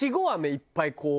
いっぱいこう。